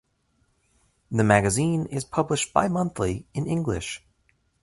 The magazine is published bimonthly in English.